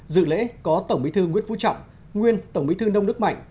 dự lễ có tổng bí thư nguyễn phú trọng nguyên tổng bí thư nông đức mạnh